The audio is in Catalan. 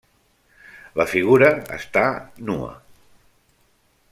La figura està nua.